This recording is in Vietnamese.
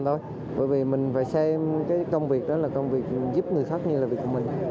rất nhiều người của mình